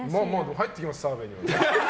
入ってきます、澤部に。